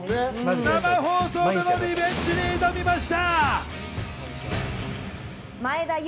そして生放送でのリベンジに挑みました。